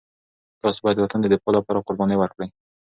تاسو باید د وطن د دفاع لپاره قرباني ورکړئ.